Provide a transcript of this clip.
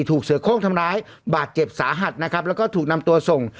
ถูกเสือโค้งทำร้ายบาดเจ็บสาหัสนะครับแล้วก็ถูกนำตัวส่ง